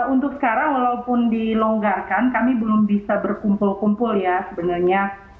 untuk sekarang walaupun dilonggarkan kami belum bisa berkumpul kumpul ya sebenarnya